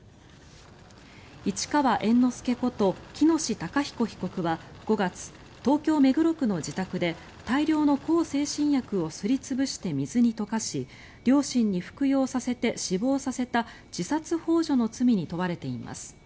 市川猿之助こと喜熨斗孝彦被告は５月東京・目黒区の自宅で大量の向精神薬をすり潰して水に溶かし両親に服用させて死亡させた自殺ほう助の罪に問われています。